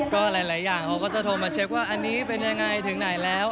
ก็หลายอย่างเขาก็จะโทรมาเช็คว่าอันนี้เป็นยังไงถึงไหนแล้ว